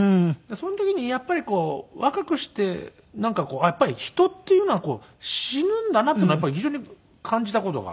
その時にやっぱり若くしてなんか人っていうのは死ぬんだなっていうのは非常に感じた事があって。